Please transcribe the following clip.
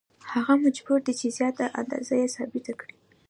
هغه مجبور دی چې زیاته اندازه یې ثابته کړي